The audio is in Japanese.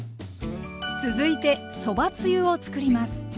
続いてそばつゆを作ります。